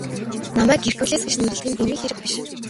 Намайг Геркулес гэж нэрлэдэг нь дэмий хэрэг биш.